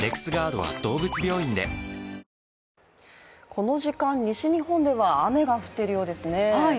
この時間、西日本では雨が降っているようですね。